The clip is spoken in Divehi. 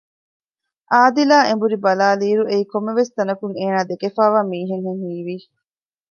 އާދިލާ އެނބުރި ބަލާލިއިރު އެއީ ކޮންމެވެސް ތަނަކުން އޭނާ ދެކެފައިވާ މީހެއްހެން ހީވި